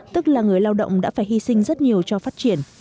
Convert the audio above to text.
tức là người lao động đã phải hy sinh rất nhiều cho phát triển